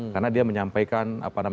karena dia menyampaikan